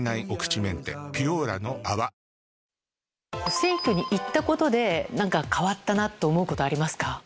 選挙に行ったことで、なんか変わったなと思うことありますか。